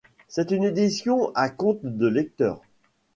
C'est une édition à compte de lecteurs.